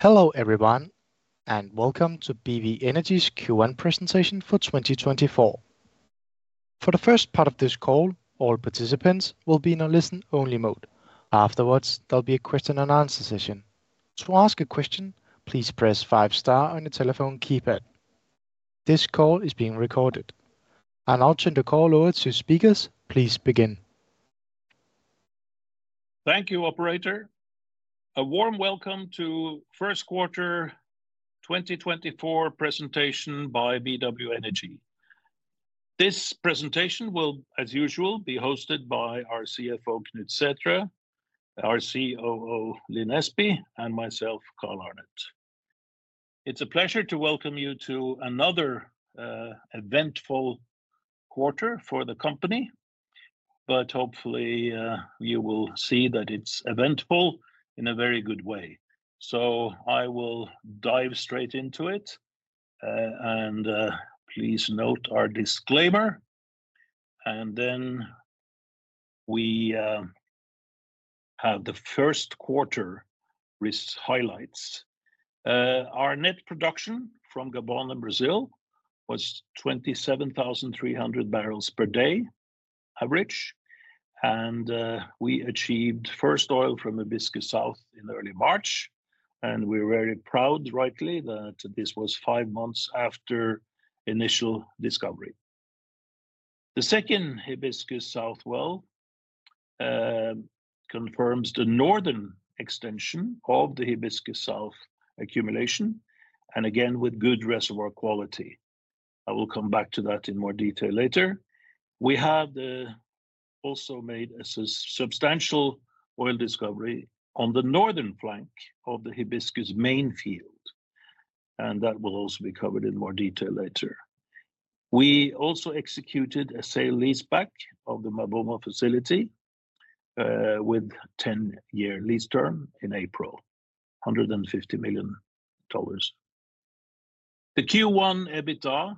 Hello, everyone, and welcome to BW Energy's Q1 presentation for 2024. For the first part of this call, all participants will be in a listen-only mode. Afterwards, there'll be a question and answer session. To ask a question, please press five star on your telephone keypad. This call is being recorded. Now turn the call over to speakers. Please begin. Thank you, operator. A warm welcome to first quarter 2024 presentation by BW Energy. This presentation will, as usual, be hosted by our CFO, Knut Sæthre, our COO, Lin Espey, and myself, Carl Arnet. It's a pleasure to welcome you to another, eventful quarter for the company, but hopefully, you will see that it's eventful in a very good way. So I will dive straight into it, and, please note our disclaimer, and then we, have the first quarter results highlights. Our net production from Gabon and Brazil was 27,300 barrels per day, average, and, we achieved first oil from Hibiscus South in early March, and we're very proud, rightly, that this was five months after initial discovery. The second Hibiscus South well, confirms the northern extension of the Hibiscus South accumulation, and again, with good reservoir quality. I will come back to that in more detail later. We have also made a substantial oil discovery on the northern flank of the Hibiscus Main field, and that will also be covered in more detail later. We also executed a sale-leaseback of the MaBoMo facility with 10-year lease term in April, $150 million. The Q1 EBITDA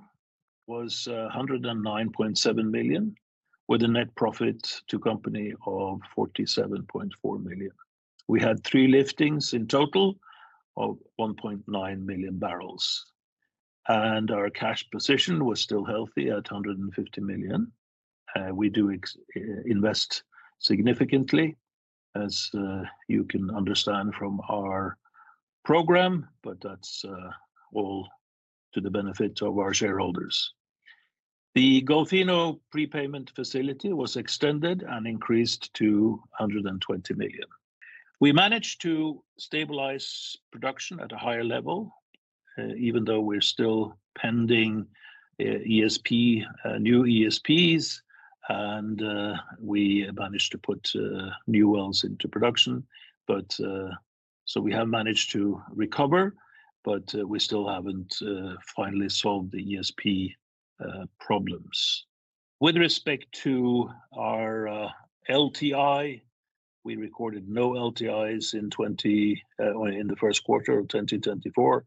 was $109.7 million, with a net profit to company of $47.4 million. We had three liftings in total of 1.9 million barrels, and our cash position was still healthy at $150 million. We invest significantly, as you can understand from our program, but that's all to the benefit of our shareholders. The Golfinho prepayment facility was extended and increased to $120 million. We managed to stabilize production at a higher level, even though we're still pending ESP new ESPs, and we managed to put new wells into production. But so we have managed to recover, but we still haven't finally solved the ESP problems. With respect to our LTI, we recorded no LTIs in the first quarter of 2024.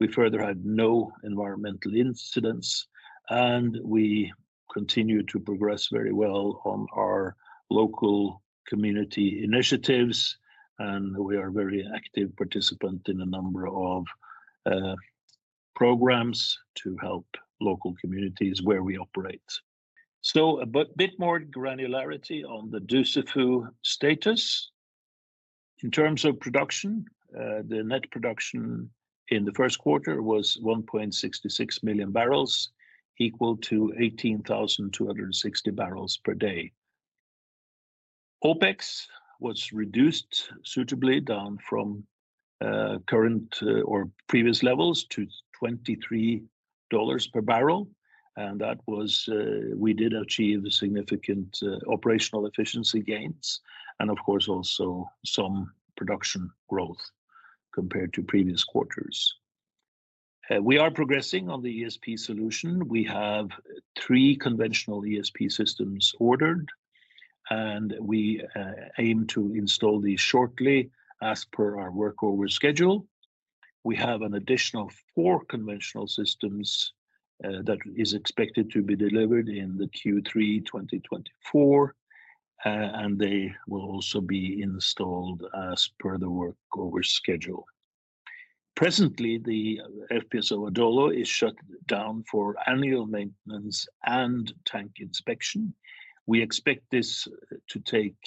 We further had no environmental incidents, and we continued to progress very well on our local community initiatives, and we are a very active participant in a number of programs to help local communities where we operate. So a bit more granularity on the Dussafu status. In terms of production, the net production in the first quarter was 1.66 million barrels, equal to 18,260 barrels per day. OpEx was reduced suitably down from current or previous levels to $23 per barrel, and that was. We did achieve significant operational efficiency gains, and of course, also some production growth compared to previous quarters. We are progressing on the ESP solution. We have three conventional ESP systems ordered, and we aim to install these shortly, as per our workover schedule. We have an additional four conventional systems that is expected to be delivered in Q3 2024, and they will also be installed as per the workover schedule. Presently, the FPSO BW Adolo is shut down for annual maintenance and tank inspection. We expect this to take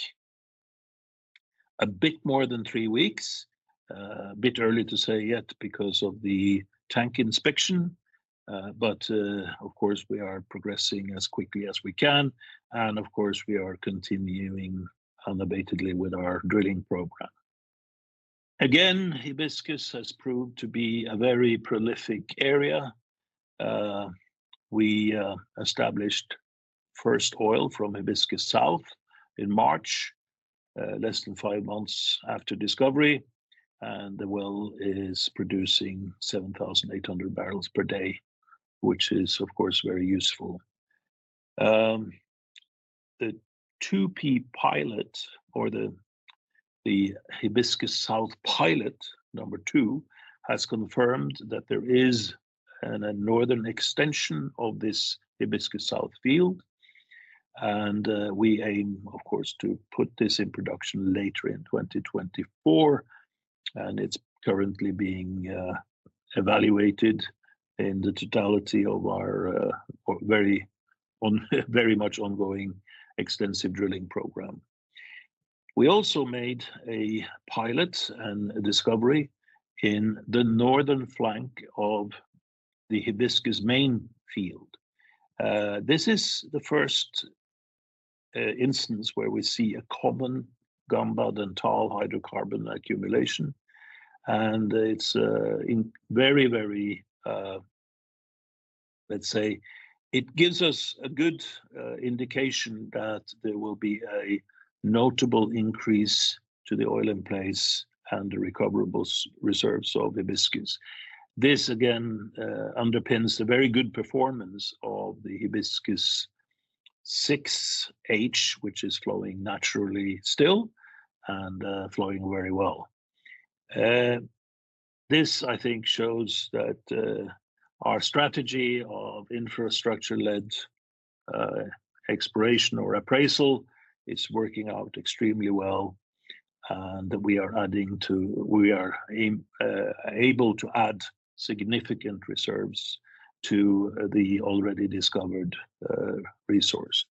a bit more than three weeks. A bit early to say yet because of the tank inspection, but, of course, we are progressing as quickly as we can, and of course, we are continuing unabatedly with our drilling program. Again, Hibiscus has proved to be a very prolific area. We established first oil from Hibiscus South in March, less than five months after discovery, and the well is producing 7,800 barrels per day, which is, of course, very useful. The 2P pilot, or the Hibiscus South pilot number two, has confirmed a northern extension of this Hibiscus South field. We aim, of course, to put this in production later in 2024, and it's currently being evaluated in the totality of our very much ongoing extensive drilling program. We also made a pilot and a discovery in the northern flank of the Hibiscus Main field. This is the first instance where we see a common Gamba interval hydrocarbon accumulation, and it's in very, very... Let's say, it gives us a good indication that there will be a notable increase to the oil in place and the recoverable reserves of Hibiscus. This again underpins the very good performance of the Hibiscus 6H, which is flowing naturally still and flowing very well. This, I think, shows that our strategy of infrastructure-led exploration or appraisal is working out extremely well, and that we are able to add significant reserves to the already discovered resource.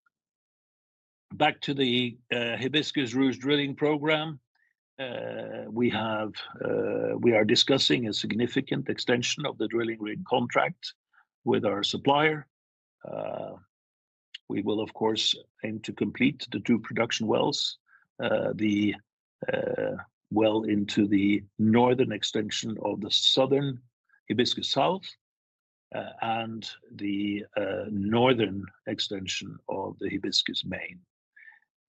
Back to the Hibiscus/Ruche drilling program, we are discussing a significant extension of the drilling rig contract with our supplier. We will, of course, aim to complete the two production wells, the well into the northern extension of the southern Hibiscus South, and the northern extension of the Hibiscus Main.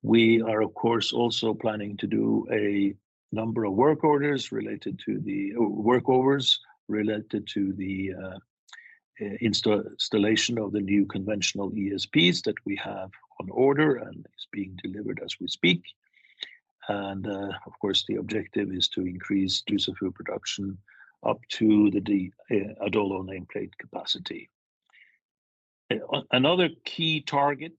We are, of course, also planning to do a number of work orders related to workovers related to the installation of the new conventional ESPs that we have on order and is being delivered as we speak. And, of course, the objective is to increase Dussafu production up to the Adolo nameplate capacity. Another key target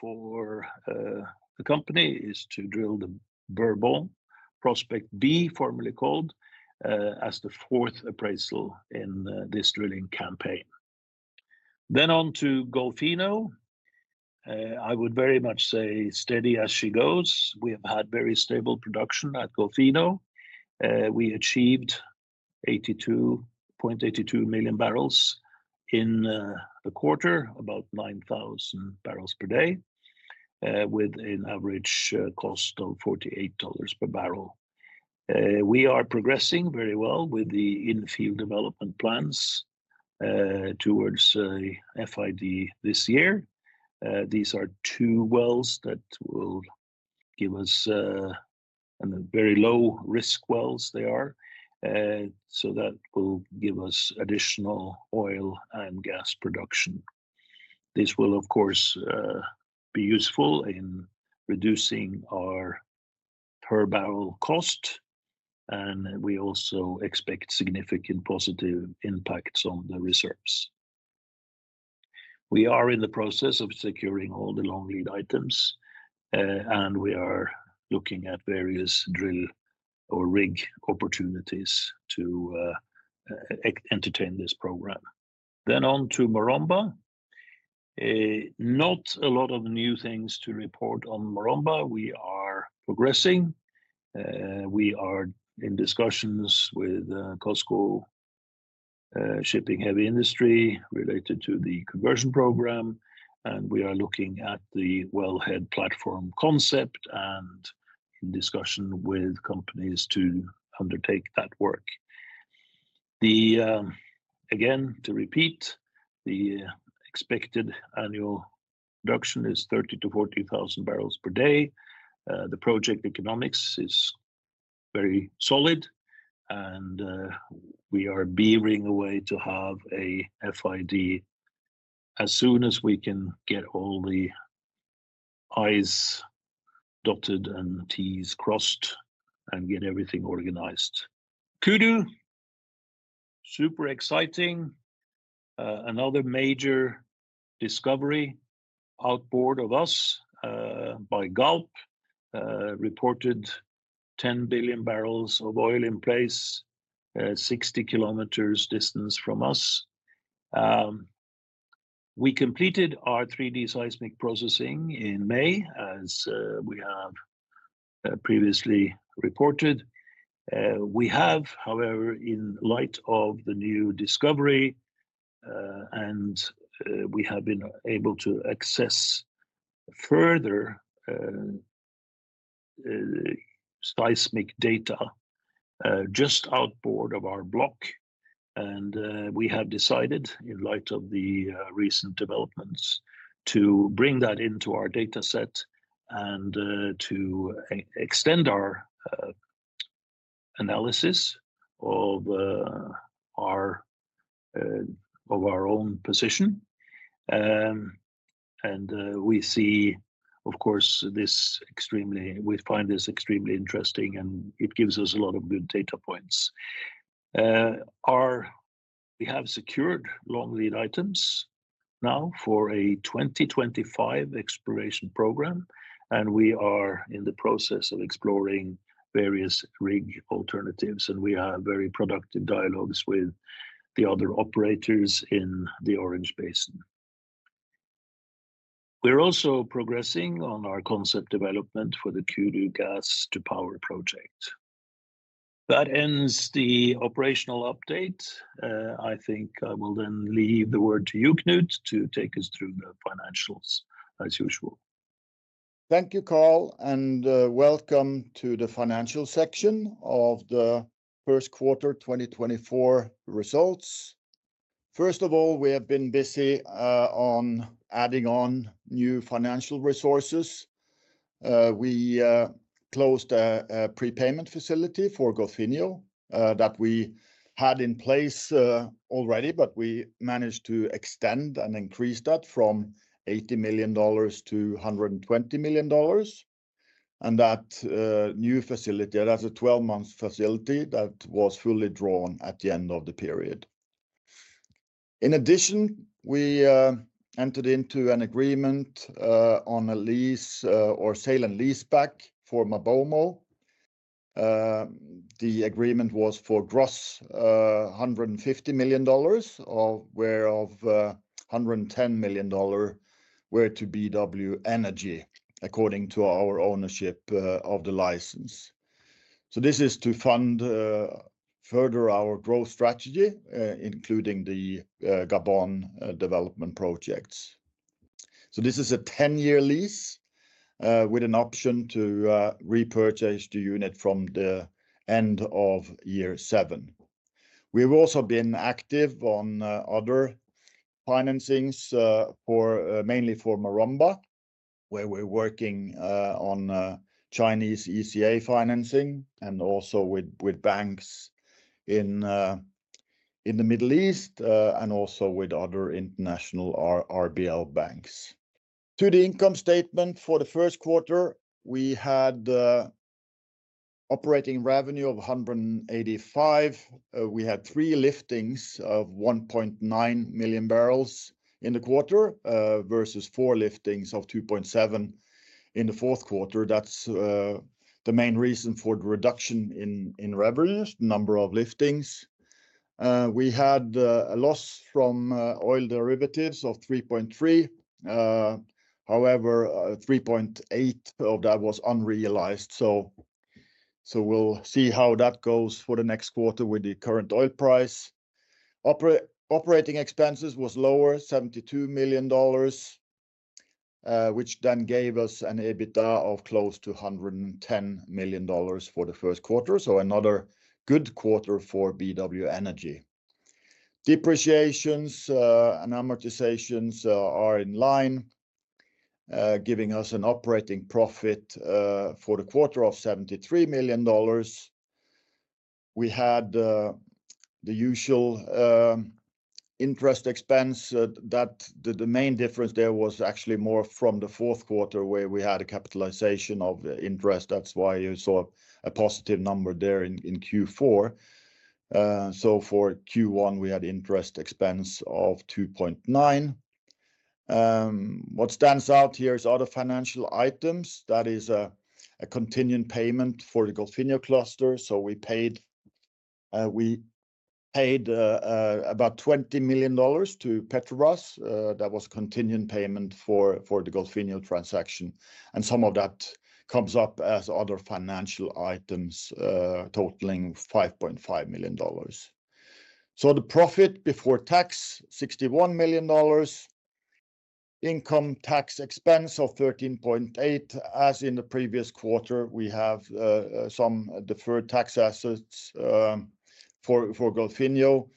for the company is to drill the Bourdon Prospect B, formerly called the fourth appraisal in this drilling campaign. Then on to Golfinho. I would very much say steady as she goes. We have had very stable production at Golfinho. We achieved 0.82 million barrels in a quarter, about 9,000 barrels per day, with an average cost of $48 per barrel. We are progressing very well with the in-field development plans towards FID this year. These are two wells that will give us... And a very low-risk wells they are, so that will give us additional oil and gas production. This will, of course, be useful in reducing our per barrel cost, and we also expect significant positive impacts on the reserves. We are in the process of securing all the long-lead items, and we are looking at various drill or rig opportunities to entertain this program. Then on to Maromba. Not a lot of new things to report on Maromba. We are progressing. We are in discussions with COSCO Shipping Heavy Industry related to the conversion program, and we are looking at the wellhead platform concept and in discussion with companies to undertake that work. The, again, to repeat, the expected annual production is 30,000-40,000 barrels per day. The project economics is very solid, and we are beavering away to have a FID as soon as we can get all the I's dotted and T's crossed and get everything organized. Kudu, super exciting. Another major discovery outboard of us by Galp reported 10 billion barrels of oil in place 60 km distance from us. We completed our 3-D seismic processing in May, as we have previously reported. We have, however, in light of the new discovery, and we have been able to access further seismic data just outboard of our block. We have decided, in light of the recent developments, to bring that into our dataset and to extend our analysis of our own position. We see, of course, we find this extremely interesting, and it gives us a lot of good data points. We have secured long-lead items now for a 2025 exploration program, and we are in the process of exploring various rig alternatives, and we have very productive dialogues with the other operators in the Orange Basin. We're also progressing on our concept development for the Kudu Gas to Power project. That ends the operational update. I think I will then leave the word to you, Knut, to take us through the financials, as usual. Thank you, Carl, and welcome to the financial section of the first quarter 2024 results. First of all, we have been busy on adding on new financial resources. We closed a prepayment facility for Golfinho that we had in place already, but we managed to extend and increase that from $80 million to $120 million. And that new facility, that's a 12-month facility that was fully drawn at the end of the period. In addition, we entered into an agreement on a lease or sale and leaseback for MaBoMo. The agreement was for gross $150 million, of which $110 million were to BW Energy, according to our ownership of the license. So this is to fund further our growth strategy, including the Gabon development projects. So this is a 10-year lease with an option to repurchase the unit from the end of year seven. We've also been active on other financings for mainly for Maromba, where we're working on Chinese ECA financing and also with banks in the Middle East and also with other international RBL banks. To the income statement for the first quarter, we had operating revenue of $185 million. We had three liftings of 1.9 million barrels in the quarter versus 4 liftings of 2.7 million barrels in the fourth quarter. That's the main reason for the reduction in revenue, number of liftings. We had a loss from oil derivatives of $3.3 million. However, $3.8 million of that was unrealized, so we'll see how that goes for the next quarter with the current oil price. Operating expenses was lower, $72 million, which then gave us an EBITDA of close to $110 million for the first quarter, so another good quarter for BW Energy. Depreciations and amortizations are in line, giving us an operating profit for the quarter of $73 million. We had the usual interest expense. The main difference there was actually more from the fourth quarter, where we had a capitalization of interest. That's why you saw a positive number there in Q4. So for Q1, we had interest expense of $2.9 million. What stands out here is other financial items, that is a continuing payment for the Golfinho cluster. So we paid about $20 million to Petrobras. That was continuing payment for the Golfinho transaction, and some of that comes up as other financial items, totaling $5.5 million. So the profit before tax, $61 million. Income tax expense of $13.8 million. As in the previous quarter, we have some deferred tax assets for Golfinho.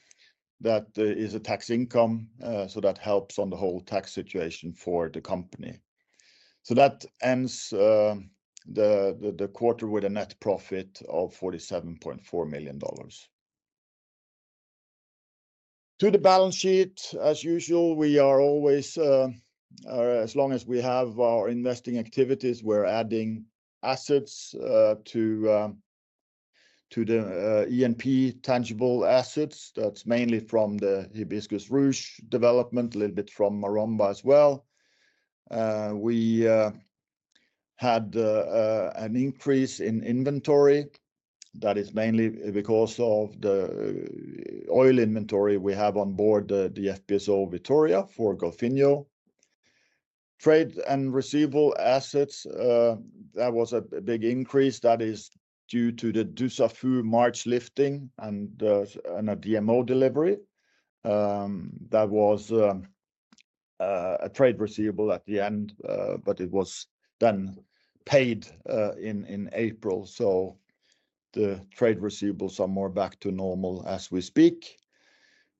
That is a tax income, so that helps on the whole tax situation for the company. So that ends the quarter with a net profit of $47.4 million. To the balance sheet, as usual, we are always, as long as we have our investing activities, we're adding assets to the E&P tangible assets. That's mainly from the Hibiscus/Ruche development, a little bit from Maromba as well. We had an increase in inventory. That is mainly because of the oil inventory we have on board the FPSO Vitoria for Golfinho. Trade and receivable assets, that was a big increase. That is due to the Dussafu March lifting and a DMO delivery. That was a trade receivable at the end, but it was then paid in April, so the trade receivables are more back to normal as we speak.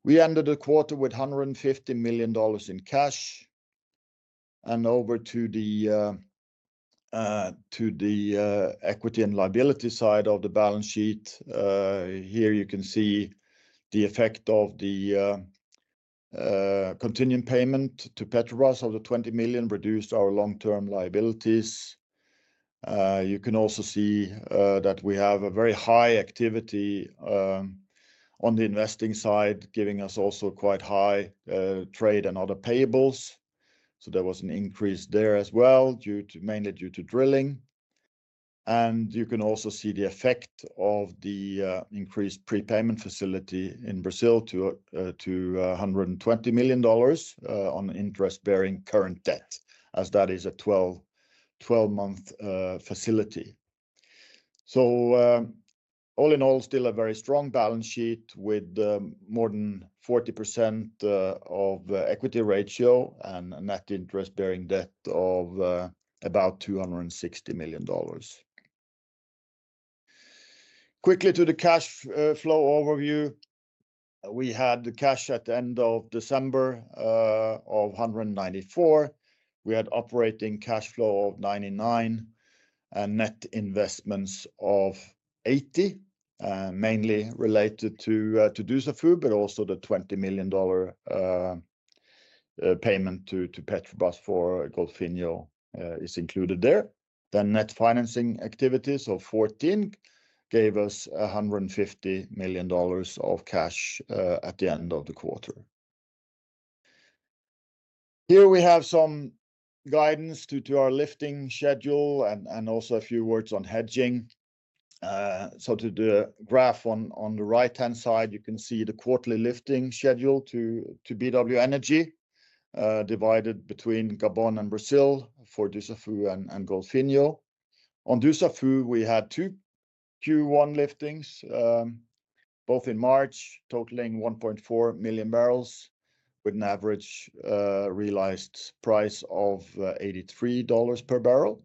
We ended the quarter with $150 million in cash. And over to the... To the equity and liability side of the balance sheet. Here you can see the effect of the contingent payment to Petrobras of the $20 million reduced our long-term liabilities. You can also see that we have a very high activity on the investing side, giving us also quite high trade and other payables. So there was an increase there as well, due to mainly due to drilling. You can also see the effect of the increased prepayment facility in Brazil to a $120 million on interest-bearing current debt, as that is a 12-month facility. So, all in all, still a very strong balance sheet with more than 40% equity ratio and a net interest-bearing debt of about $260 million. Quickly to the cash flow overview. We had the cash at the end of December of $194 million. We had operating cash flow of $99 million, and net investments of $80 million, mainly related to Dussafu, but also the $20 million payment to Petrobras for Golfinho is included there. The net financing activities of $14 million gave us $150 million of cash at the end of the quarter. Here we have some guidance due to our lifting schedule and also a few words on hedging. So to the graph on the right-hand side, you can see the quarterly lifting schedule to BW Energy, divided between Gabon and Brazil for Dussafu and Golfinho. On Dussafu, we had two Q1 liftings, both in March, totaling 1.4 million barrels, with an average realized price of $83 per barrel.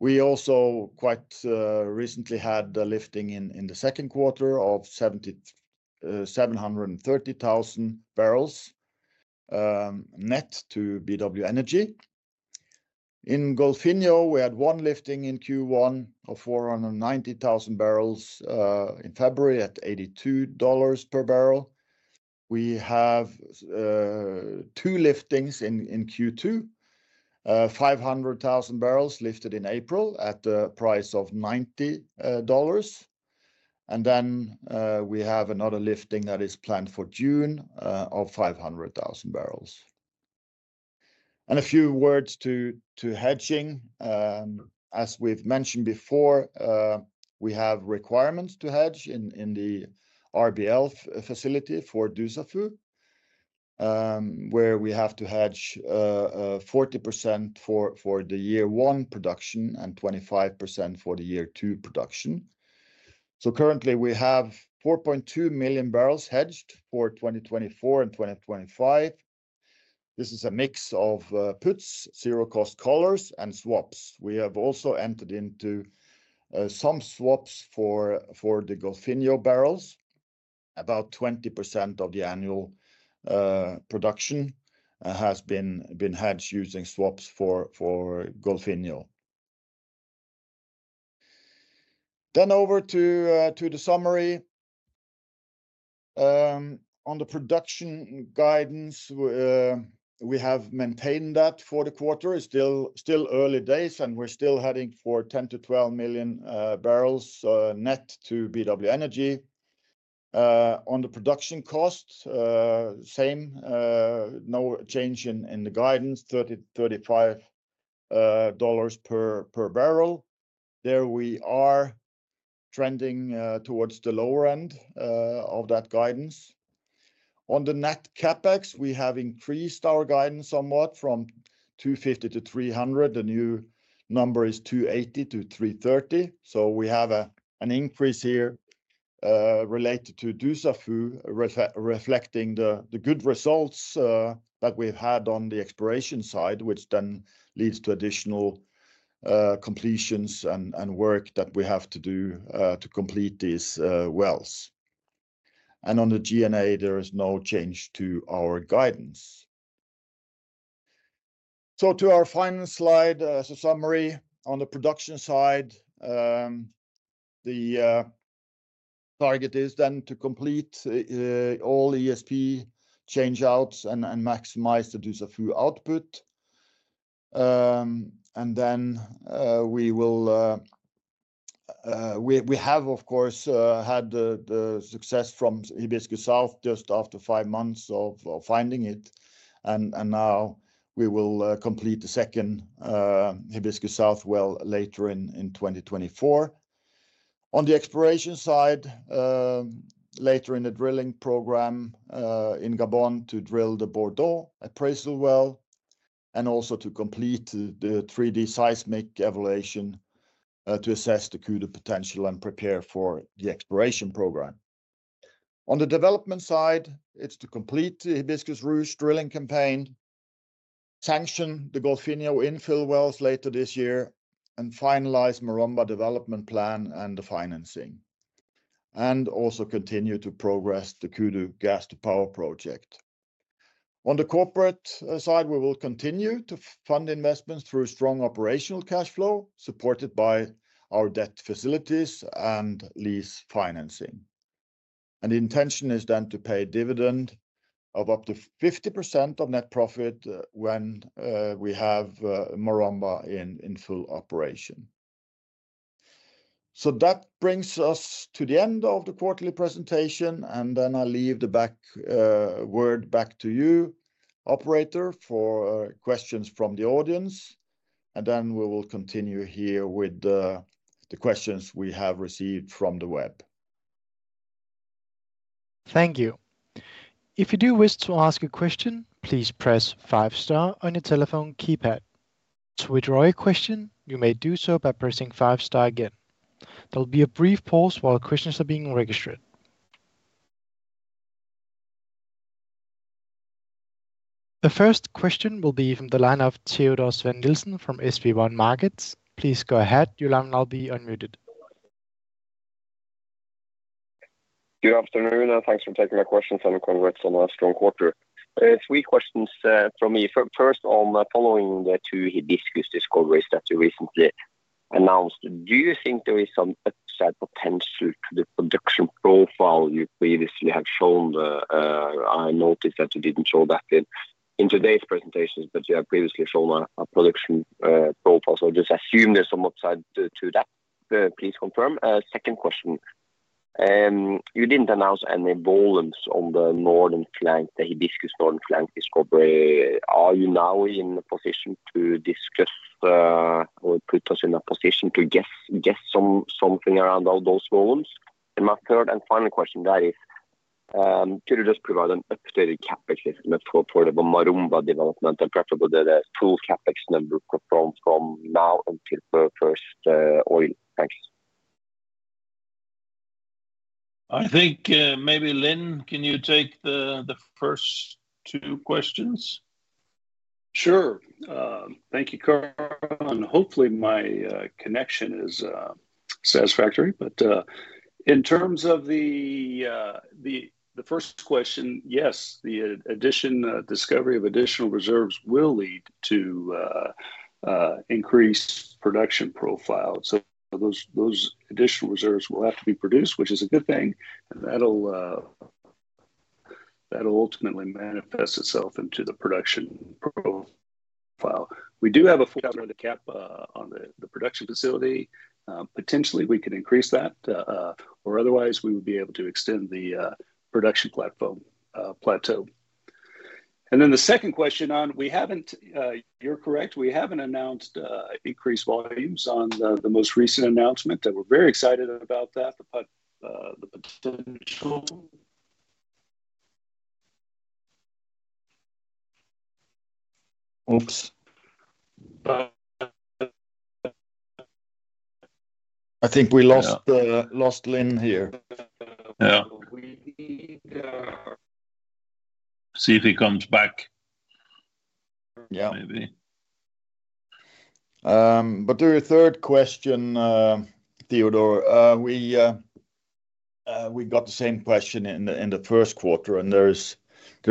We also quite recently had a lifting in the second quarter of 730,000 barrels, net to BW Energy. In Golfinho, we had one lifting in Q1 of 490,000 barrels, in February, at $82 per barrel. We have two liftings in Q2, 500,000 barrels lifted in April at the price of $90. And then we have another lifting that is planned for June of 500,000 barrels. And a few words to hedging. As we've mentioned before, we have requirements to hedge in the RBL facility for Dussafu, where we have to hedge 40% for the year one production and 25% for the year two production. So currently we have 4.2 million barrels hedged for 2024 and 2025. This is a mix of puts, zero-cost collars, and swaps. We have also entered into some swaps for the Golfinho barrels. About 20% of the annual production has been hedged using swaps for Golfinho. Then over to the summary. On the production guidance, we have maintained that for the quarter. It's still early days, and we're still heading for 10 million-12 million barrels net to BW Energy. On the production cost, same, no change in the guidance, $30-$35 per barrel. There we are trending towards the lower end of that guidance. On the net CapEx, we have increased our guidance somewhat from $250 to $300. The new number is $280-$330. So we have an increase here related to Dussafu, reflecting the good results that we've had on the exploration side, which then leads to additional completions and work that we have to do to complete these wells. On the G&A, there is no change to our guidance. So to our final slide, as a summary on the production side, the target is then to complete all ESP changeouts and maximize the Dussafu output. And then, we will. We have, of course, had the success from Hibiscus South just after five months of finding it, and now we will complete the second Hibiscus South well later in 2024. On the exploration side, later in the drilling program in Gabon, to drill the Bourdon appraisal well, and also to complete the 3D seismic evaluation to assess the Kudu potential and prepare for the exploration program. On the development side, it's to complete the Hibiscus/Ruche drilling campaign, sanction the Golfinho infill wells later this year, and finalize Maromba development plan and the financing, and also continue to progress the Kudu Gas-to-Power project. On the corporate side, we will continue to fund investments through strong operational cash flow, supported by our debt facilities and lease financing. The intention is then to pay a dividend of up to 50% of net profit when we have Maromba in full operation. That brings us to the end of the quarterly presentation, and then I'll leave the word back to you, operator, for questions from the audience, and then we will continue here with the questions we have received from the web. Thank you. If you do wish to ask a question, please press five star on your telephone keypad. To withdraw your question, you may do so by pressing five star again. There'll be a brief pause while questions are being registered. The first question will be from the line of Teodor Sveen-Nilsen from SB1 Markets. Please go ahead. You'll now be unmuted. Good afternoon, and thanks for taking my questions, and congrats on a strong quarter. Three questions from me. First, on the following the two Hibiscus discoveries that you recently announced, do you think there is some upside potential to the production profile you previously had shown? I noticed that you didn't show that in today's presentation, but you have previously shown a production profile, so just assume there's some upside to that. Please confirm. Second question, you didn't announce any volumes on the northern flank, the Hibiscus northern flank discovery. Are you now in a position to discuss or put us in a position to guess something around all those volumes? My third and final question there is, could you just provide an updated CapEx estimate for the Maromba development, and preferably the full CapEx number from now until the first oil? Thanks. I think, maybe Lin, can you take the first two questions? Sure. Thank you, Carl, and hopefully my connection is satisfactory. But, in terms of the first question, yes, the additional discovery of additional reserves will lead to increased production profile. So those additional reserves will have to be produced, which is a good thing, and that'll ultimately manifest itself into the production profile. We do have a cap on the production facility. Potentially, we could increase that or otherwise we would be able to extend the production platform plateau. And then the second question on, we haven't. You're correct, we haven't announced increased volumes on the most recent announcement, and we're very excited about that. But, the potential Oops. I think we lost. Yeah... lost Lin here. Yeah. We are- See if he comes back. Yeah. Maybe. But to your third question, Teodor, we got the same question in the first quarter, and there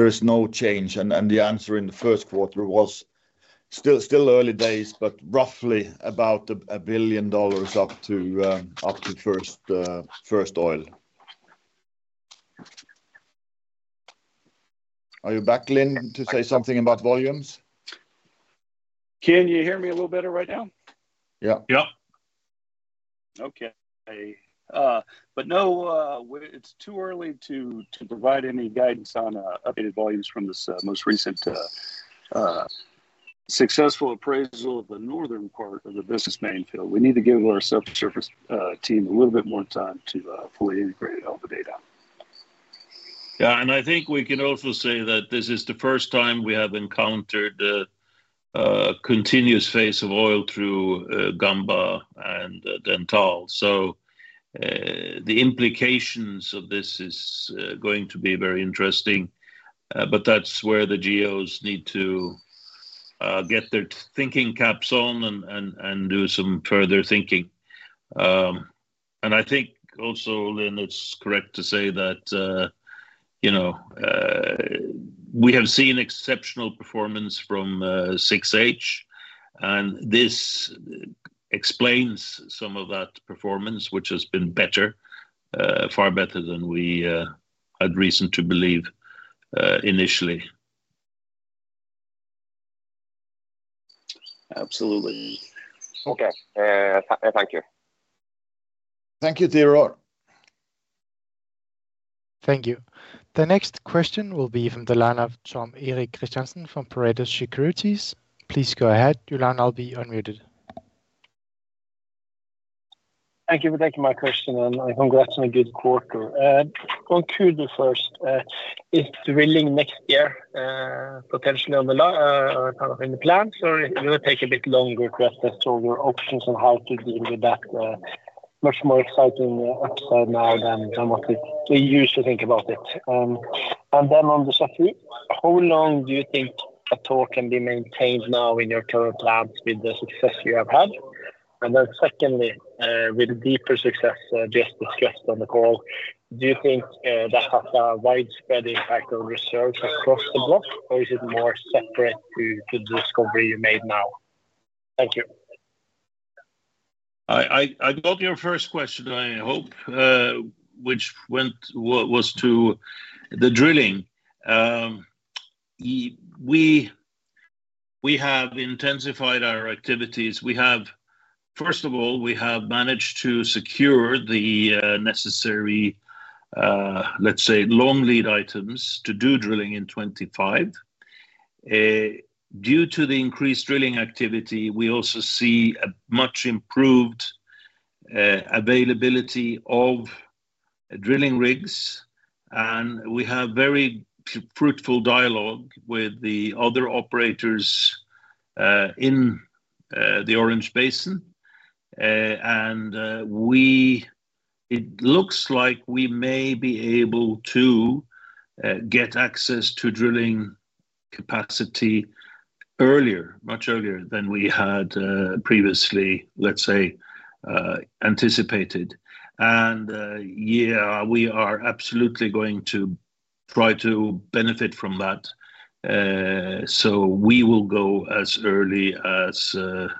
is no change. And the answer in the first quarter was still early days, but roughly about $1 billion up to first oil. Are you back, Lin, to say something about volumes? Can you hear me a little better right now? Yeah. Yeah. Okay. But no, it's too early to provide any guidance on updated volumes from this most recent successful appraisal of the northern part of the business main field. We need to give our sub-surface team a little bit more time to fully integrate all the data. Yeah, and I think we can also say that this is the first time we have encountered a continuous phase of oil through Gamba and then Dentale. So, the implications of this is going to be very interesting, but that's where the geos need to get their thinking caps on and do some further thinking. And I think also, Lin, it's correct to say that you know we have seen exceptional performance from 6H, and this explains some of that performance, which has been better, far better than we had reason to believe initially. Absolutely. Okay. Thank you. Thank you, Teodor. Thank you. The next question will be from the line of Tom Erik Kristiansen from Pareto Securities. Please go ahead. You'll now be unmuted. Thank you for taking my question, and my congrats on a good quarter. On Kudu first, is drilling next year potentially kind of in the plans, or it will take a bit longer to assess all your options on how to deal with that, much more exciting upside now than what we used to think about it. And then on the, how long do you think a talk can be maintained now in your current plans with the success you have had? And then secondly, with a deeper success just discussed on the call, do you think that has a widespread impact on research across the block, or is it more separate to the discovery you made now? Thank you. I got your first question, I hope, which was to the drilling. We have intensified our activities. We have, first of all, managed to secure the necessary, let's say, long-lead items to do drilling in 2025. Due to the increased drilling activity, we also see a much improved availability of drilling rigs, and we have very fruitful dialogue with the other operators in the Orange Basin. And it looks like we may be able to get access to drilling capacity earlier, much earlier than we had previously, let's say, anticipated. And yeah, we are absolutely going to try to benefit from that. So we will go as early as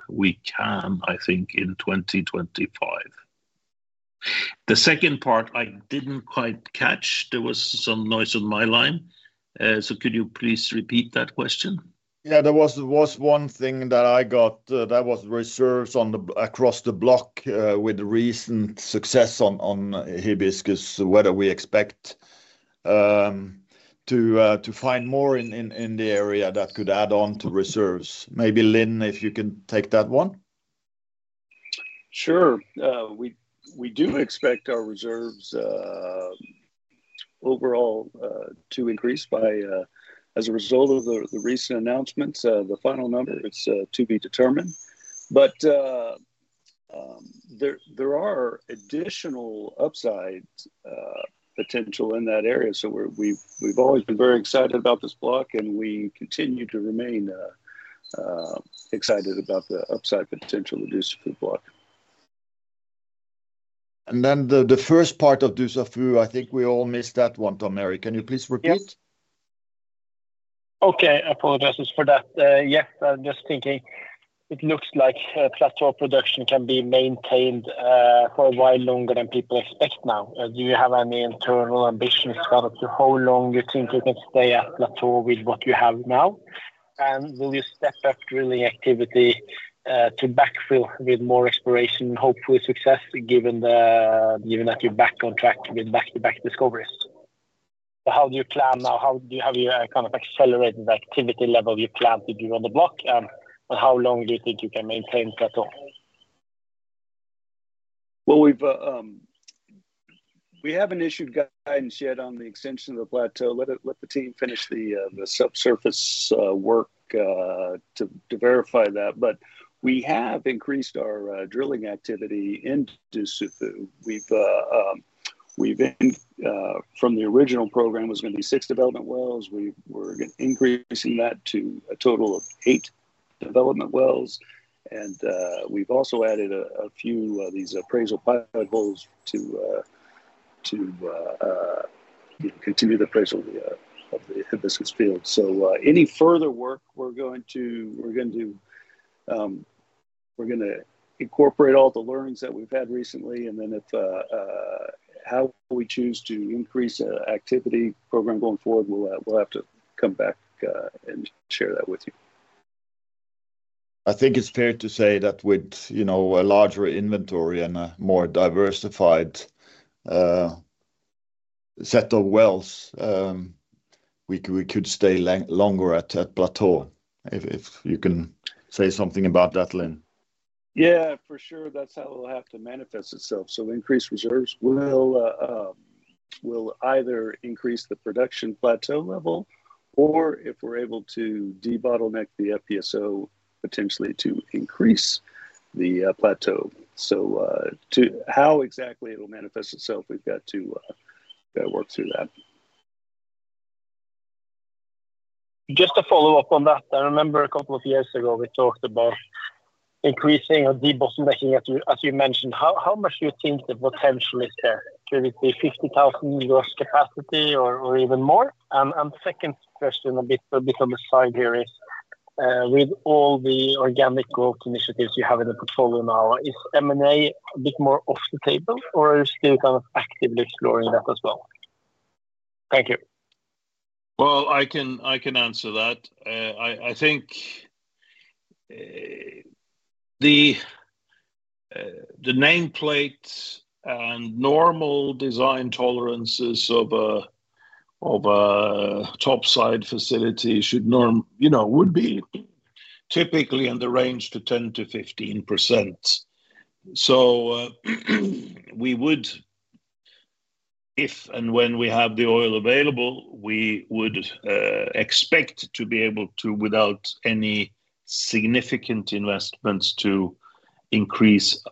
we can, I think, in 2025. The second part, I didn't quite catch. There was some noise on my line. So could you please repeat that question? Yeah, there was one thing that I got, that was reserves across the block, with the recent success on Hibiscus. Whether we expect to find more in the area that could add on to reserves. Maybe Lin, if you can take that one. Sure. We do expect our reserves overall to increase by... As a result of the recent announcements, the final number it's to be determined, but there are additional upside potential in that area. So we've always been very excited about this block, and we continue to remain excited about the upside potential with Dussafu block. And then the first part of Dussafu, I think we all missed that one, Tom Erik. Can you please repeat? Yes. Okay, apologies for that. Yes, I'm just thinking it looks like plateau production can be maintained for a while longer than people expect now. Do you have any internal ambitions as to how long you think you can stay at plateau with what you have now? And will you step up drilling activity to backfill with more exploration, hopefully success, given that you're back on track with back-to-back discoveries? So how do you plan now? How do you have your kind of accelerated activity level you plan to do on the block? And how long do you think you can maintain plateau? Well, we haven't issued guidance yet on the extension of the plateau. Let the team finish the subsurface work to verify that, but we have increased our drilling activity in Dussafu. We've from the original program was gonna be six development wells. We were increasing that to a total of eight development wells, and we've also added a few of these appraisal pilot holes to continue the appraisal of the Hibiscus field. So, any further work we're gonna do, we're gonna incorporate all the learnings that we've had recently, and then how we choose to increase activity program going forward, we'll have to come back and share that with you. I think it's fair to say that with, you know, a larger inventory and a more diversified set of wells, we could stay longer at plateau. If you can say something about that, Lin? Yeah, for sure. That's how it will have to manifest itself. So increased reserves will either increase the production plateau level, or if we're able to debottleneck the FPSO, potentially to increase the plateau. So, how exactly it will manifest itself, we've got to gotta work through that. Just to follow up on that, I remember a couple of years ago we talked about increasing or debottlenecking, as you mentioned. How much do you think the potential is there? Could it be 50,000 gross capacity or even more? And second question, a bit on the side here is, with all the organic growth initiatives you have in the portfolio now, is M&A a bit more off the table, or are you still kind of actively exploring that as well? Thank you. Well, I can, I can answer that. I, I think, the, the nameplates and normal design tolerances of a, of a topside facility should you know, would be typically in the range to 10%-15%. So, we would, if and when we have the oil available, we would, expect to be able to, without any significant investments, to increase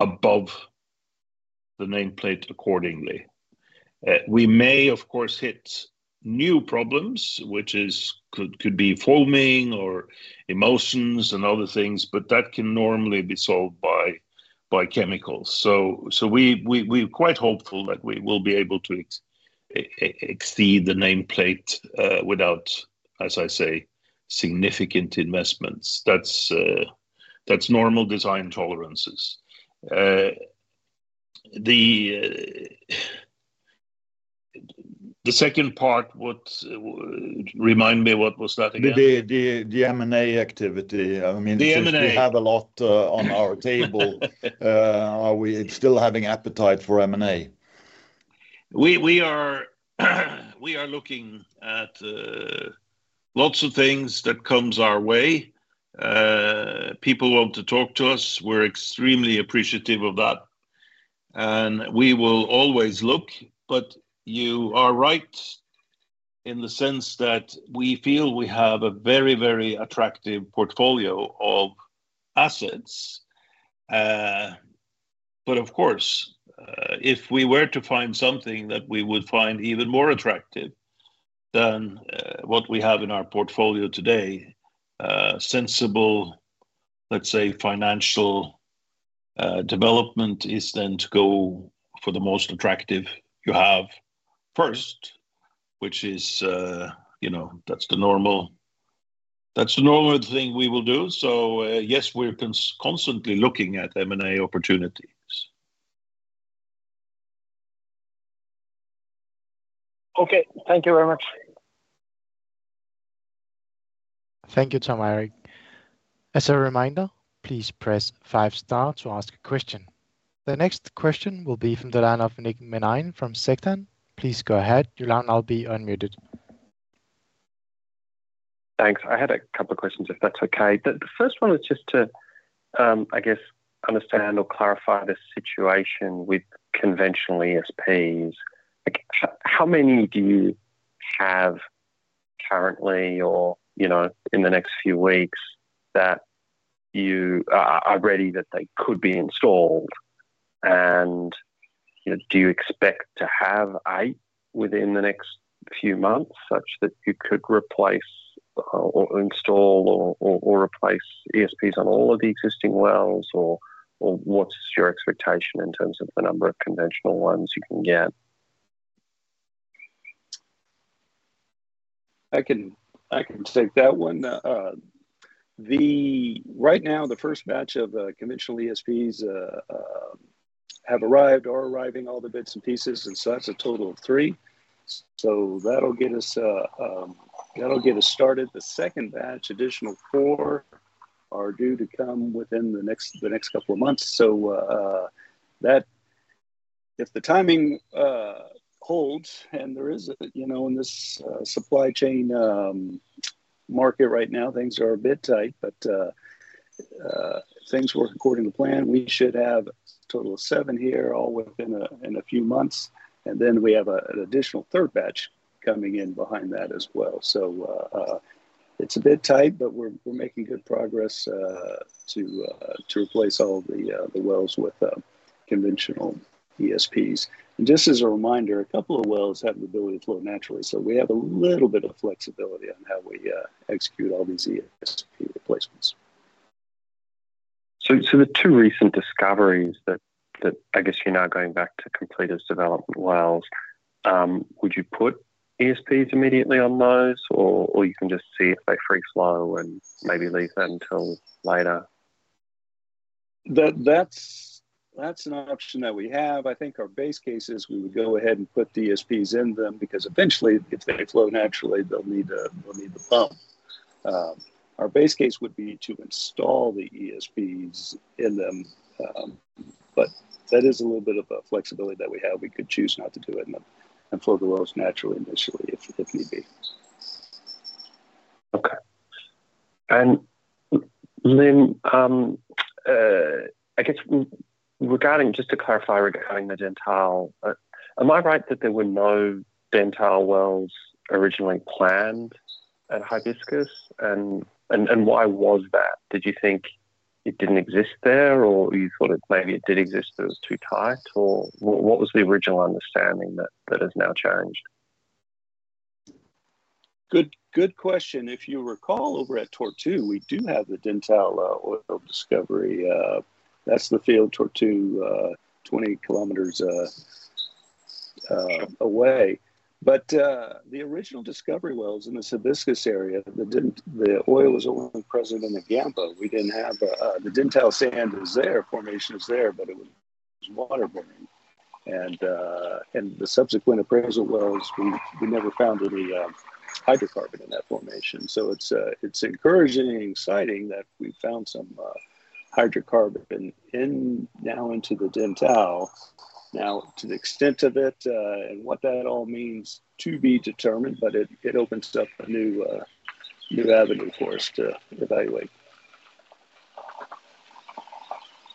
above the nameplate accordingly. We may, of course, hit new problems, which is, could, could be foaming or emulsions and other things, but that can normally be solved by, by chemicals. So, so we, we, we're quite hopeful that we will be able to exceed the nameplate, without, as I say, significant investments. That's, that's normal design tolerances. The, the second part, what, remind me what was that again? M&A activity. I mean- The M&A. Since we have a lot on our table, are we still having appetite for M&A? We are looking at lots of things that comes our way. People want to talk to us, we're extremely appreciative of that, and we will always look. But you are right in the sense that we feel we have a very, very attractive portfolio of assets. But of course, if we were to find something that we would find even more attractive than what we have in our portfolio today, sensible, let's say, financial, development is then to go for the most attractive you have first, which is, you know, that's the normal thing we will do. So, yes, we're constantly looking at M&A opportunities. Okay. Thank you very much. Thank you, Tom Erik. As a reminder, please press five star to ask a question. The next question will be from the line of Nick Linnane, from Sefton. Please go ahead. You'll now be unmuted. Thanks. I had a couple of questions, if that's okay. The first one is just to, I guess, understand or clarify the situation with conventional ESPs. Like, how many do you have currently, or, you know, in the next few weeks, that you are ready, that they could be installed? And, you know, do you expect to have eight within the next few months, such that you could replace or install or replace ESPs on all of the existing wells? Or what is your expectation in terms of the number of conventional ones you can get? I can, I can take that one. Right now, the first batch of conventional ESPs have arrived or arriving, all the bits and pieces, and so that's a total of three. So that'll get us started. The second batch, additional four, are due to come within the next couple of months. So, if the timing holds, and there is, you know, in this supply chain market right now, things are a bit tight, but if things work according to plan, we should have a total of seven here, all within a few months. And then we have an additional third batch coming in behind that as well. It's a bit tight, but we're making good progress to replace all the wells with conventional ESPs. Just as a reminder, a couple of wells have the ability to flow naturally, so we have a little bit of flexibility on how we execute all these ESP replacements. So, the two recent discoveries that I guess you're now going back to complete as development wells, would you put ESPs immediately on those, or you can just see if they free flow and maybe leave that until later? That's an option that we have. I think our base case is we would go ahead and put the ESPs in them, because eventually, if they flow naturally, they'll need, we'll need to pump. Our base case would be to install the ESPs in them, but that is a little bit of a flexibility that we have. We could choose not to do it and flow the wells naturally, initially, if need be. Okay. And then, I guess regarding, just to clarify regarding the Dentale, am I right that there were no Dentale wells originally planned at Hibiscus? And why was that? Did you think it didn't exist there, or you thought it maybe it did exist, but it was too tight, or what was the original understanding that has now changed? Good, good question. If you recall, over at Tortue, we do have the Dentale oil discovery. That's the field Tortue 20 km away. But the original discovery wells in the Hibiscus area, the oil was only present in the Gamba. We didn't have... The Dentale sand is there, formation is there, but it was water bearing. And the subsequent appraisal wells, we never found any hydrocarbon in that formation. So it's encouraging and exciting that we found some hydrocarbon in now into the Dentale. Now, to the extent of it and what that all means, to be determined, but it opens up a new avenue for us to evaluate.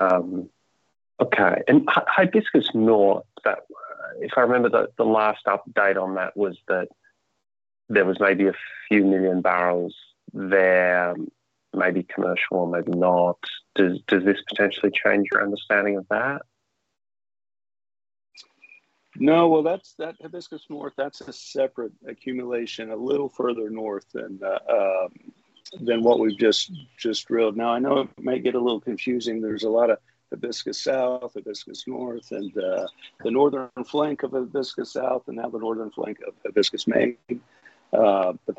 Okay. And Hibiscus North, that, if I remember the last update on that was that there was maybe a few million barrels there, maybe commercial, maybe not. Does this potentially change your understanding of that? No. Well, that's Hibiscus North. That's a separate accumulation, a little further north than what we've just drilled. Now, I know it may get a little confusing. There's a lot of Hibiscus South, Hibiscus North, and the northern flank of Hibiscus South, and now the northern flank of Hibiscus Main. But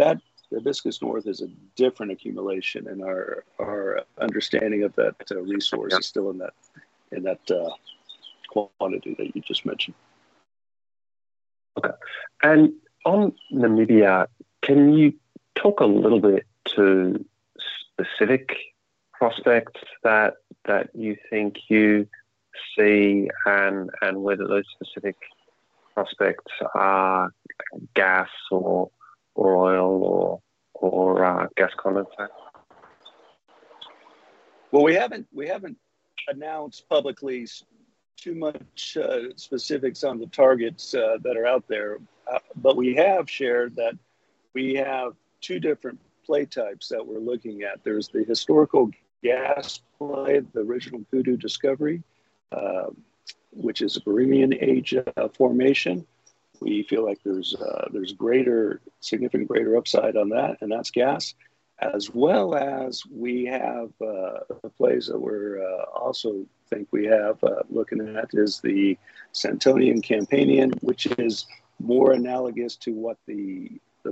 Hibiscus North is a different accumulation, and our understanding of that resource- Yeah... is still in that quantity that you just mentioned. Okay. And on Namibia, can you talk a little bit to specific prospects that you think you see and whether those specific prospects are gas or oil or gas content? Well, we haven't announced publicly too much specifics on the targets that are out there. But we have shared that we have two different play types that we're looking at. There's the historical gas play, the original Kudu discovery, which is a Permian-age formation. We feel like there's greater, significant greater upside on that, and that's gas. As well as we have the plays that we're also think we have looking at is the Santonian-Campanian, which is more analogous to what the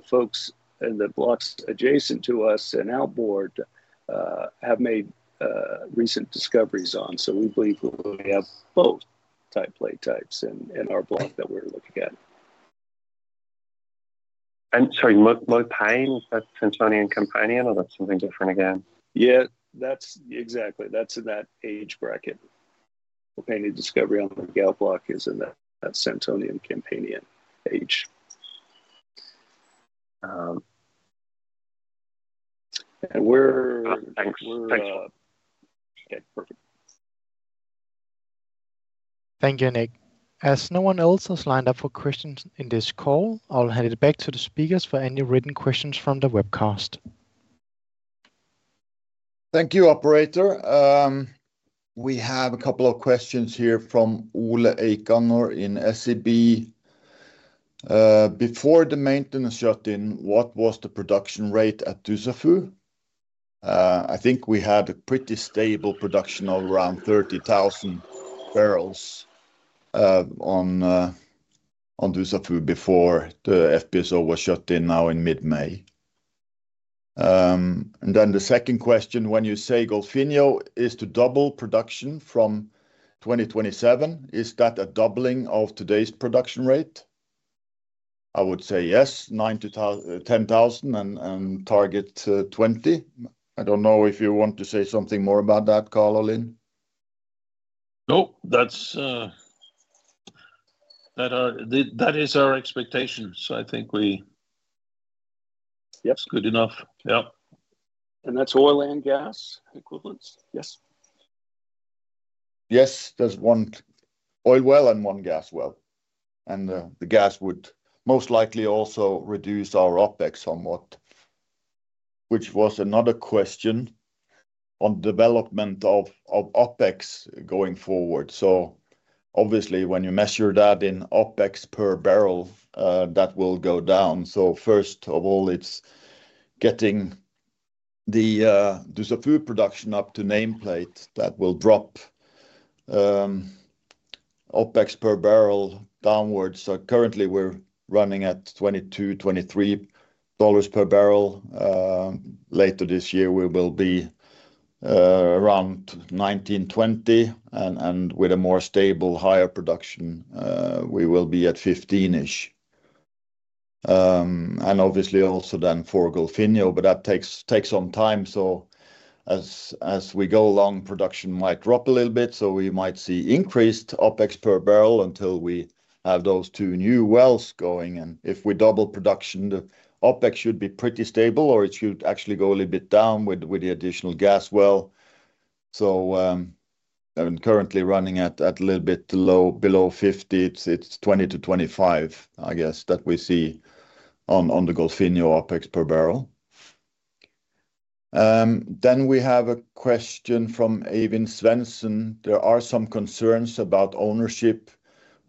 folks in the blocks adjacent to us and outboard have made recent discoveries on. So we believe we will have both play types in our block that we're looking at. Sorry, Mopane, is that Santonian-Campanian, or that's something different again? Yeah, that's... Exactly, that's in that age bracket. Mopane discovery on the Galp Block is in that, that Santonian-Campanian age. And we're- Thanks. We're, uh- Yeah, perfect. Thank you, Nick. As no one else has lined up for questions in this call, I'll hand it back to the speakers for any written questions from the webcast. Thank you, operator. We have a couple of questions here from Ola Eikanger in SEB. "Before the maintenance shut-in, what was the production rate at Dussafu?" I think we had a pretty stable production of around 30,000 barrels on Dussafu before the FPSO was shut in now in mid-May. And then the second question, "When you say Golfinho is to double production from 2027, is that a doubling of today's production rate?" I would say yes, 9,000-10,000, and target 20,000. I don't know if you want to say something more about that, Carl or Lin? Nope, that's that is our expectations. I think we- Yep. It's good enough. Yep. That's oil and gas equivalents? Yes. Yes, there's one oil well and one gas well, and the gas would most likely also reduce our OpEx somewhat, which was another question on development of OpEx going forward. So obviously, when you measure that in OpEx per barrel, that will go down. So first of all, it's getting the Dussafu production up to nameplate that will drop OpEx per barrel downwards. So currently, we're running at $22-$23 per barrel. Later this year, we will be around 19-20, and with a more stable, higher production, we will be at 15-ish. And obviously also then for Golfinho, but that takes some time. So as we go along, production might drop a little bit, so we might see increased OpEx per barrel until we have those two new wells going. And if we double production, the OpEx should be pretty stable, or it should actually go a little bit down with the additional gas well. So, currently running at a little bit low, below $50, it's $20-$25, I guess, that we see on the Golfinho OpEx per barrel. Then we have a question from Even Svenson: "There are some concerns about ownership,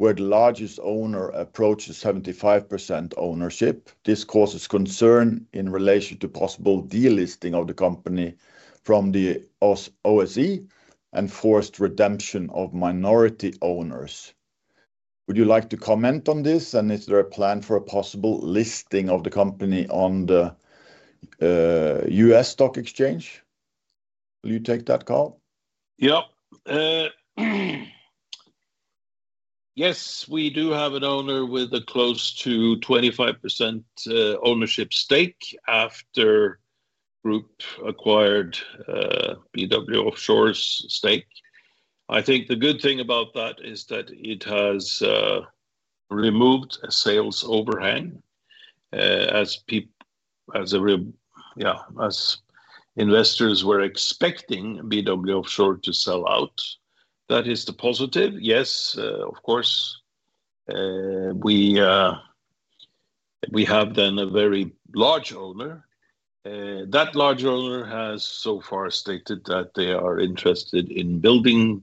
where the largest owner approaches 75% ownership. This causes concern in relation to possible delisting of the company from the Oslo Stock Exchange and forced redemption of minority owners. Would you like to comment on this, and is there a plan for a possible listing of the company on the U.S. Stock Exchange?" Will you take that, Carl? Yep. Yes, we do have an owner with close to 25% ownership stake after Group acquired BW Offshore's stake. I think the good thing about that is that it has removed a sales overhang as peop-... as investors were expecting BW Offshore to sell out, that is the positive. Yes, of course, we have then a very large owner. That large owner has so far stated that they are interested in building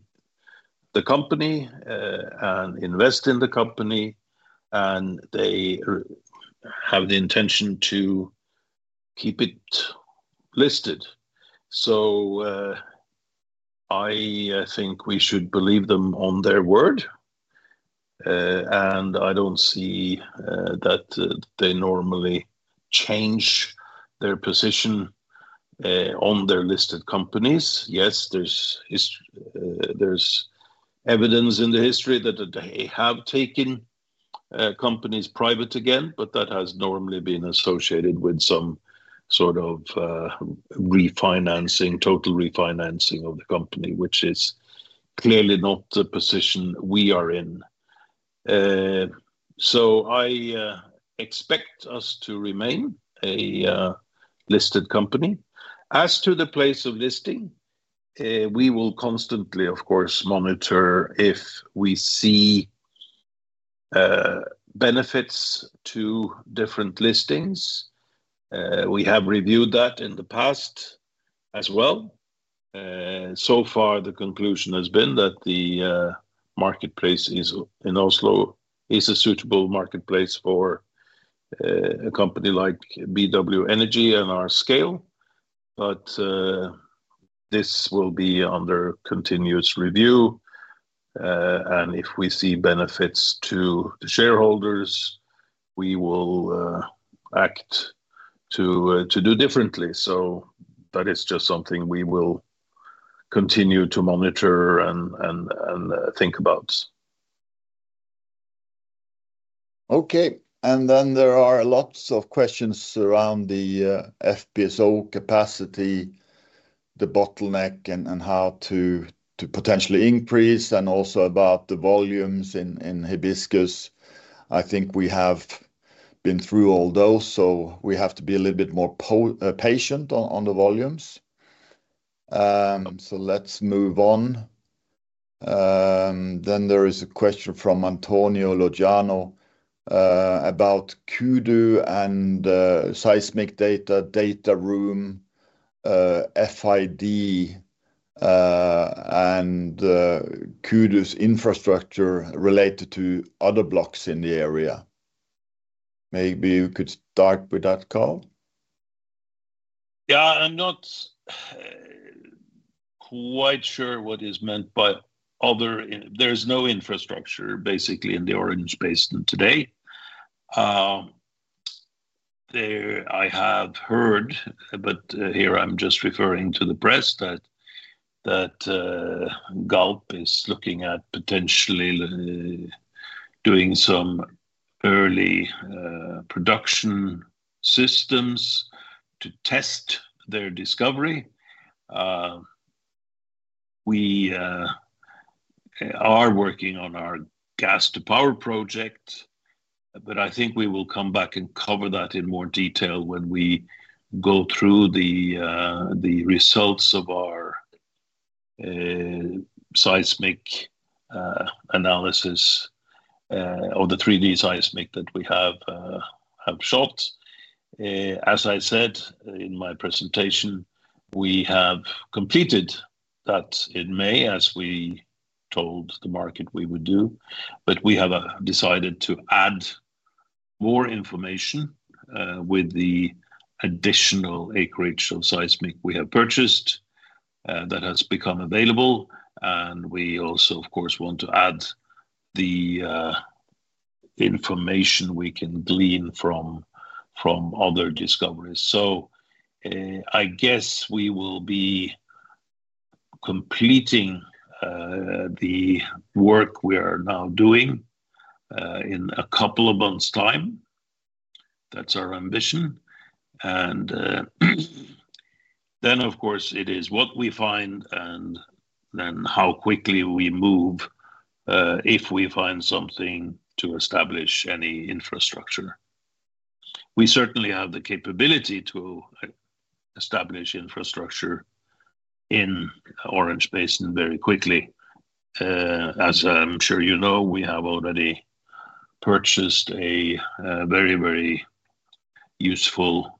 the company, and invest in the company, and they have the intention to keep it listed. So, I think we should believe them on their word, and I don't see that they normally change their position on their listed companies. Yes, there's evidence in the history that they have taken companies private again, but that has normally been associated with some sort of refinancing, total refinancing of the company, which is clearly not the position we are in. So I expect us to remain a listed company. As to the place of listing, we will constantly, of course, monitor if we see benefits to different listings. We have reviewed that in the past as well. So far the conclusion has been that the marketplace in Oslo is a suitable marketplace for a company like BW Energy and our scale. But this will be under continuous review, and if we see benefits to the shareholders, we will act to do differently. So that is just something we will continue to monitor and think about. Okay, and then there are lots of questions around the FPSO capacity, the bottleneck, and how to potentially increase, and also about the volumes in Hibiscus. I think we have been through all those, so we have to be a little bit more patient on the volumes. So let's move on. Then there is a question from Antonio Loggiano about Kudu and seismic data, data room, FID, and Kudu's infrastructure related to other blocks in the area. Maybe you could start with that, Carl? Yeah, I'm not quite sure what is meant by other... There is no infrastructure basically in the Orange Basin today. There I have heard, but here I'm just referring to the press, that Galp is looking at potentially doing some early production systems to test their discovery. We are working on our gas to power project, but I think we will come back and cover that in more detail when we go through the results of our seismic analysis, or the 3D seismic that we have shot. As I said in my presentation, we have completed that in May, as we told the market we would do, but we have decided to add more information with the additional acreage of seismic we have purchased, that has become available. And we also, of course, want to add the information we can glean from other discoveries. So, I guess we will be completing the work we are now doing in a couple of months' time. That's our ambition. And, then, of course, it is what we find and then how quickly we move, if we find something to establish any infrastructure. We certainly have the capability to establish infrastructure in Orange Basin very quickly. As I'm sure you know, we have already purchased a very, very useful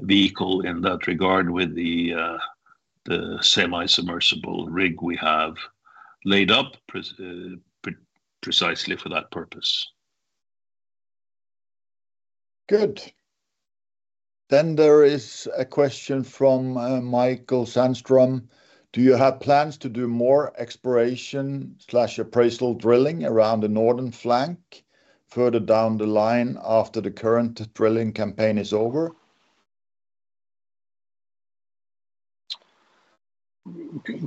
vehicle in that regard with the semi-submersible rig we have laid up precisely for that purpose. Good. Then there is a question from Michael Sandstrøm: Do you have plans to do more exploration/appraisal drilling around the northern flank, further down the line after the current drilling campaign is over?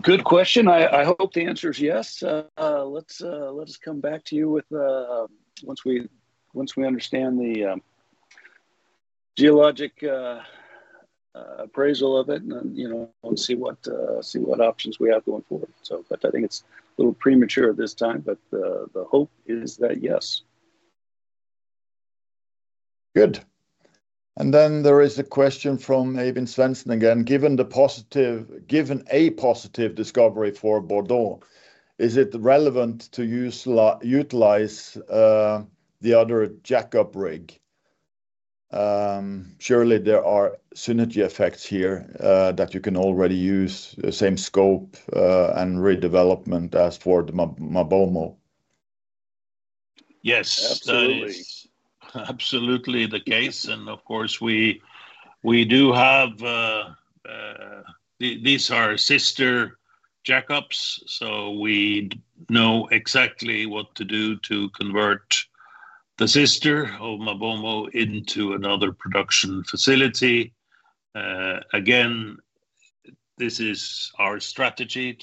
Good question. I hope the answer is yes. Let us come back to you with once we understand the geologic... appraisal of it and, you know, and see what options we have going forward. So but I think it's a little premature at this time, but, the hope is that yes. Good. And then there is a question from Even Svenson again: "Given a positive discovery for Bourdon, is it relevant to utilize, the other jack-up rig? Surely there are synergy effects here, that you can already use the same scope, and redevelopment as for the MaBoMo. Yes- Absolutely. That is absolutely the case, and of course, these are sister jack-ups, so we know exactly what to do to convert the sister of MaBoMo into another production facility. Again, this is our strategy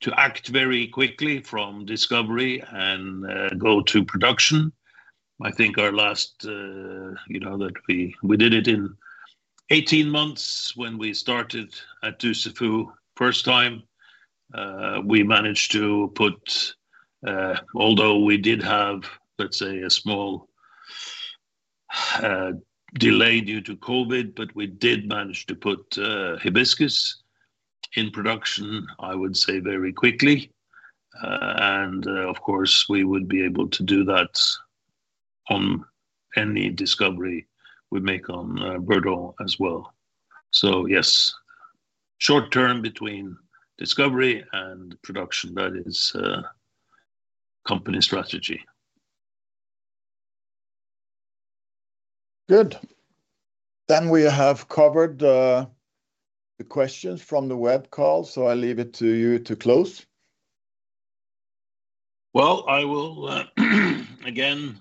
to act very quickly from discovery and go to production. I think our last, you know, that we did it in 18 months when we started at Dussafu first time. We managed to put. Although we did have, let's say, a small delay due to COVID, but we did manage to put Hibiscus in production, I would say very quickly. And, of course, we would be able to do that on any discovery we make on Bourdon as well. So yes, short term between discovery and production, that is company strategy. Good. Then we have covered the questions from the web call, so I leave it to you to close. Well, I will, again,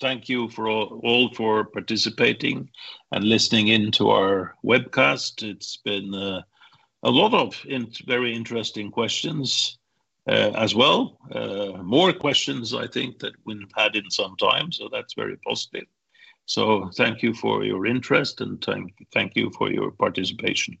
thank you all for participating and listening in to our webcast. It's been a lot of very interesting questions, as well. More questions I think that we've had in some time, so that's very positive. So thank you for your interest, and thank you for your participation.